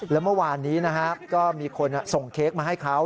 แล้วเมื่อวานนี้นะครับก็มีคนส่งเค้กมาให้เขา